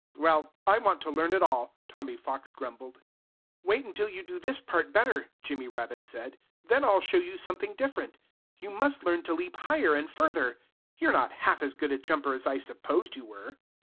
"Well, I want to learn it all," Tommy Fox grumbled. "Wait until you do this part better," Jimmy Rabbit said. "Then I'll show you something different. You must learn to leap higher and further. You're not half as good a jumper as I supposed you were."